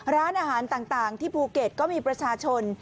ร้านอาหารต่างที่ภูเก็ตก็มีประชาชน